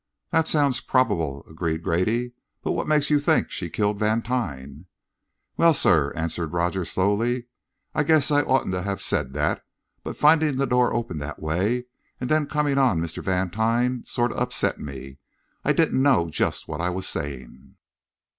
"That sounds probable," agreed Grady. "But what makes you think she killed Vantine?" "Well, sir," answered Rogers, slowly, "I guess I oughtn't to have said that; but finding the door open that way, and then coming on Mr. Vantine sort of upset me I didn't know just what I was saying."